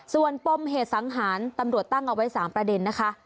ส่วนปมเหตุสังหารตำรวจตั้งเอาไว้๓ประเด็นนะคะ